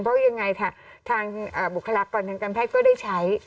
เพราะยังไงทางบุคลากรทางการแพทย์ก็ได้ใช้